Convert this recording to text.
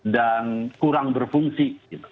dan kurang berfungsi